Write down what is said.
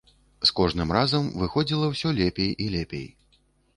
З кожным разам выходзіла ўсё лепей і лепей.